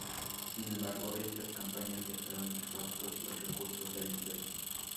Sin embargo, estas campañas dejaron exhaustos los recursos del Imperio.